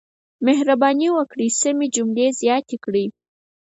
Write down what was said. مهرباني وکړئ سمې جملې زیاتې کړئ.